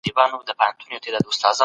زور د عقیدې په چارو کي ځای نه لري.